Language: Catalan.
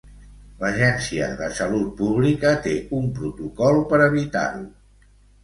L'Agència de Salut Pública té un protocol per evitar-ho.